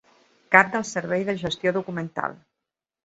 Cap del Servei de Gestió Documental.